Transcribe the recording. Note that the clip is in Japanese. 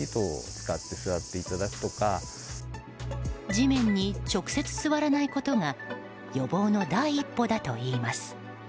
地面に直接座らないことが予防の第一歩だといいます。